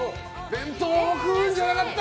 弁当食うんじゃなかった！